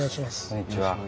こんにちは。